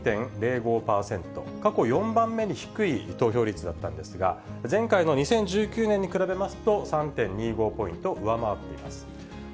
過去４番目に低い投票率だったんですが、前回の２０１９年に比べますと、３．２５ポイント上回っています。